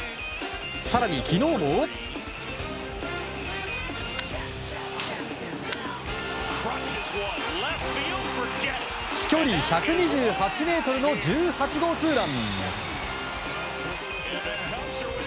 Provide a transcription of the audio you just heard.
更に昨日も、飛距離１２８ｍの１８号ツーラン。